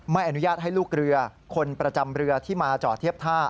ไม่อนุญาตให้ลูกเรือคนประจำเรือที่มาจอดเทียบท่า